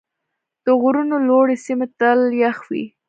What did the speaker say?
د غرونو لوړې سیمې تل یخ وي.